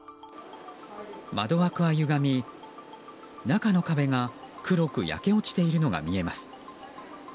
窓枠は歪み、中の壁が黒く焼け落ちているのが見えます。